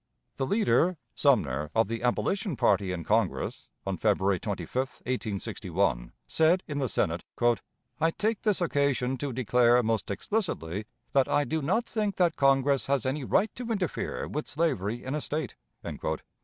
The leader (Sumner) of the Abolition party in Congress, on February 25, 1861, said in the Senate, "I take this occasion to declare most explicitly that I do not think that Congress has any right to interfere with slavery in a State."